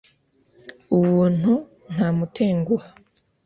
uwuntu ntamutenguha.